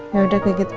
yaudah kayak gitu